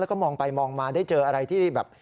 แล้วก็มองไปมองมาได้เจออะไรที่แบบ